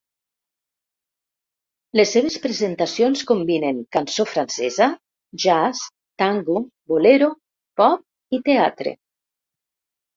Les seves presentacions combinen cançó francesa, Jazz, Tango, Bolero, pop i teatre.